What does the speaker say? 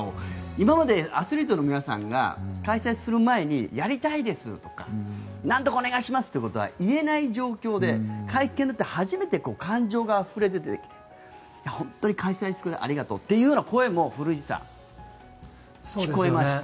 今までアスリートの皆さんが開催する前にやりたいですとかなんとかお願いしますってことは言えない状況で、会見で初めて感情があふれ出てきて本当に開催してくれてありがとうという声も古市さん、聞こえました。